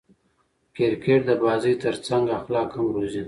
کرکټ د بازي ترڅنګ اخلاق هم روزي.